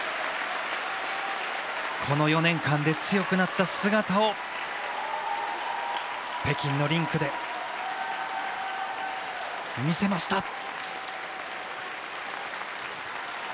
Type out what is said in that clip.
この４年間で強くなった姿を北京のリンクで見せました。